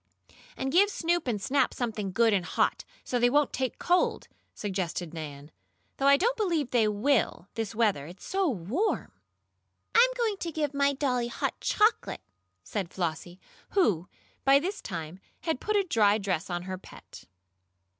"And give Snoop and Snap something good and hot, so they won't take cold," suggested Nan. "Though I don't believe they will this weather, it's so warm." "I'm going to give my dollie hot chocolate," said Flossie, who, by this time, had put a dry dress on her pet.